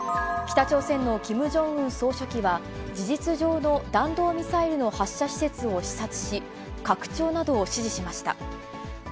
北朝鮮のキム・ジョンウン総書記は、事実上の弾道ミサイルの発射施設を視察し、拡張などを指示しました。